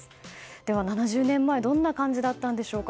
では７０年前どんな感じだったのでしょうか。